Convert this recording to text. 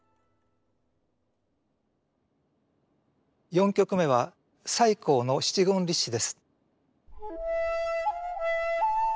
４曲目は崔の七言律詩です。